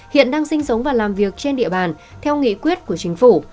hiện đang sinh sống và làm việc trên địa bàn theo nghị quyết của chính phủ